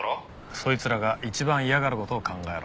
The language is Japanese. そいつらが一番嫌がる事を考えろ。